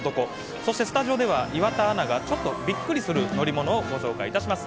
そしてスタジオでは岩田アナがちょっとびっくりする乗り物をご紹介します。